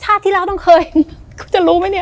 ชาติที่แล้วต้องเคยกูจะรู้ไหมเนี้ย